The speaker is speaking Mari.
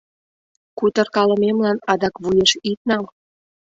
Кутыркалымемлан адак вуеш ит нал.